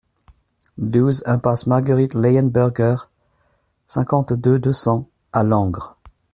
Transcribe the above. douze impasse Marguerite Leyenberger, cinquante-deux, deux cents à Langres